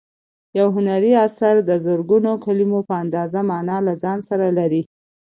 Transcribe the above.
یو هنري اثر د زرګونو کلیمو په اندازه مانا له ځان سره لري.